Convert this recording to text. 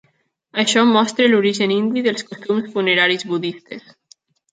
Això mostra l'origen indi dels costums funeraris budistes.